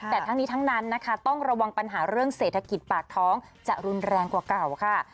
แต่ทั้งนี้ทั้งนั้นนะคะต้องระวังปัญหาเรื่องเศรษฐกิจปากท้องจะรุนแรงกว่าเก่าค่ะ